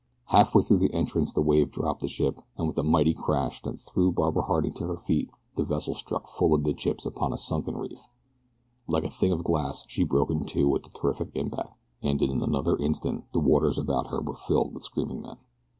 Halfway through the entrance the wave dropped the ship, and with a mighty crash that threw Barbara Harding to her feet the vessel struck full amidships upon a sunken reef. Like a thing of glass she broke in two with the terrific impact, and in another instant the waters about her were filled with screaming men.